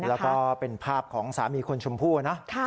แล้วก็เป็นภาพของสามีคุณชมพู่นะ